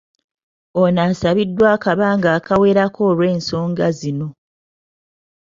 Ono asibiddwa akabanga akawerako olwensonga zino.